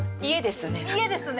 家ですね。